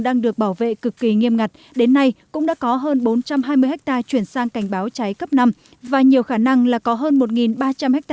đang được bảo vệ cực kỳ nghiêm ngặt đến nay cũng đã có hơn bốn trăm hai mươi ha chuyển sang cảnh báo cháy cấp năm và nhiều khả năng là có hơn một ba trăm linh ha